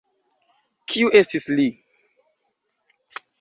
Kiu estis li?